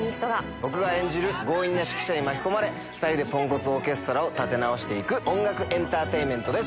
僕が演じる強引な指揮者に巻き込まれ２人でポンコツオーケストラを立て直していく音楽エンターテインメントです。